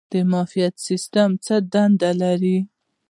د معافیت سیستم څه دنده لري؟